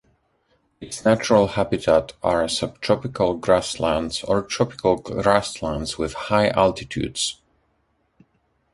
Its natural habitat are subtropical grasslands or tropical grasslands with high altitudes.